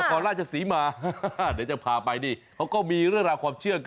ราชศรีมาเดี๋ยวจะพาไปนี่เขาก็มีเรื่องราวความเชื่อ